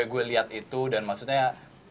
gue liat itu dan maksudnya